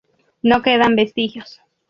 No quedan vestigios.